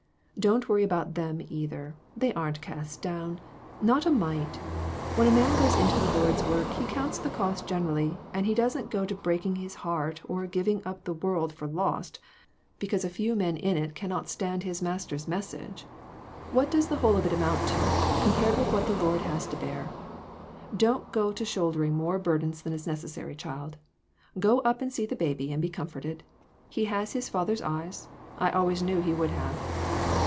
Don't worry about them, either; they aren't cast down not a mite. When a man goes into the Lord's work, he counts the cost generally, and he doesn't go to breaking his heart, or giving up the world for lost, because a few men in it cannot INTUITIONS. 409 stand his Master's message. What does the whole of it amount to, compared with what the Lord had to bear? Don't go to shouldering more burdens than is necessary, child ; go up and see the baby and be comforted. He has his father's eyes; I always knew he would have."